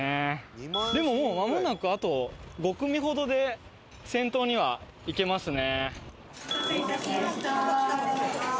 でももうまもなくあと５組ほどで先頭には行けますね。